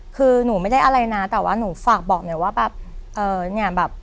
คือหนูไม่ได้อะไรนะแต่ว่าหนูฝากบอกหน่อยว่าแบบเอ่อเนี่ยแบบ